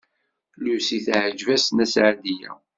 Lucy teɛjeb-as Nna Seɛdiya.